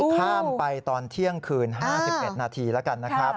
ข้ามไปตอนเที่ยงคืน๕๑นาทีแล้วกันนะครับ